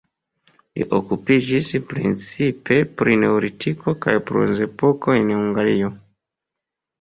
Li okupiĝis precipe pri neolitiko kaj bronzepoko en Hungario.